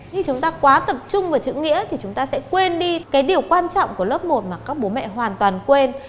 nhưng chúng ta quá tập trung vào chữ nghĩa thì chúng ta sẽ quên đi cái điều quan trọng của lớp một mà các bố mẹ hoàn toàn quên